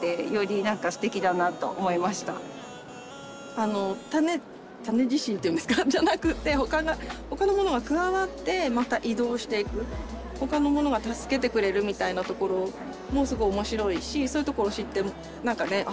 あの種種自身っていうんですかじゃなくって他のものが加わってまた移動していく他のものが助けてくれるみたいなところもすごいおもしろいしそういうところを知ってああ